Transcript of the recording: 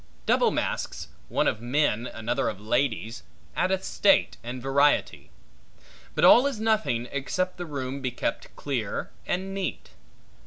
Double masques, one of men, another of ladies, addeth state and variety. But all is nothing except the room be kept clear and neat.